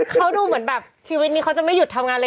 เขาดูเหมือนแบบชีวิตนี้เขาจะไม่หยุดทำงานเลย